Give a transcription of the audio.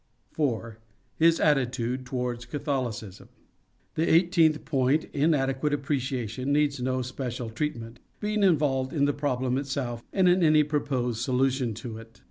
4. His attitude towards Catholicism. The eighteenth point — inadequate appreciation — needs no special treatment, being involved in the problem itself and in any proposed solution to it.